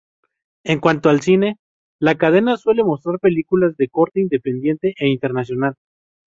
En cuanto al cine, la cadena suele mostrar películas de corte independiente e internacional.